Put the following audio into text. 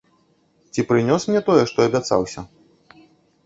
Ці прынёс мне тое, што абяцаўся?